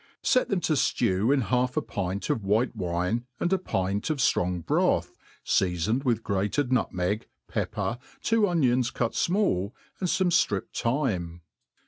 Set them to ftew in half a pint of white wine, and a pint of ftrong broth, feafoned with grated nutmeg, pep per^ two onions cut fma,)!, and fome ftripped thyme.